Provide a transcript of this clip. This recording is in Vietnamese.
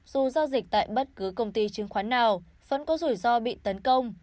dù giao dịch tại bất cứ công ty chứng khoán nào vẫn có rủi ro bị tấn công